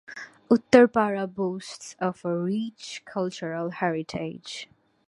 Uttarpara boasts of a rich cultural heritage.